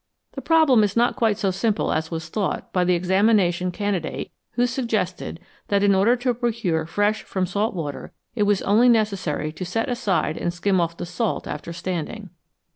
The problem is not quite so simple as was thought by the examination candidate who suggested that in order to procure fresh from salt water it was only necessary to set aside and skim off the salt after standing.